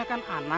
ibu dari mana